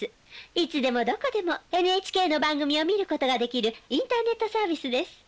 いつでもどこでもＮＨＫの番組を見ることができるインターネットサービスです。